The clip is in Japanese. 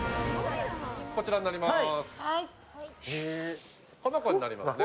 こちらになります。